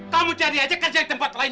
kamu cari aja kerja di tempat lain